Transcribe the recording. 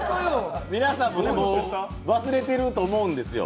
皆さんも、もう忘れてると思うんですよ。